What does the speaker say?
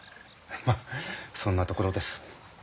まあそんなところです。